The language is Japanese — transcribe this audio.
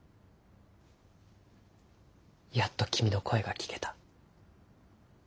やっと君の声が聞けた。